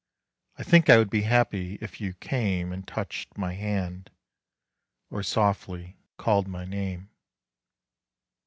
I think I would be happy if you came And touched my hand, or softly called my name.